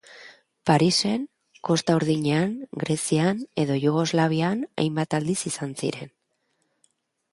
Parisen, Kosta Urdinean, Grezian edo Jugoslavian hainbat aldiz izan ziren.